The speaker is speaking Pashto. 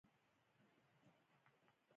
ایا پوهیږئ چې نشه څومره زیان لري؟